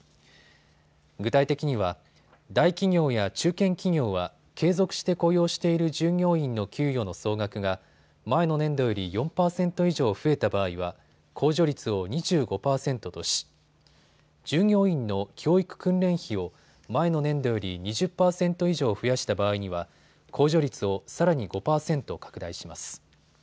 具体的には大企業や中堅企業は継続して雇用している従業員の給与の総額が前の年度より４％以上増えた場合は控除率を２５％とし、従業員の教育訓練費を前の年度より２０％以上増やした場合には控除率をさらに５％拡大します。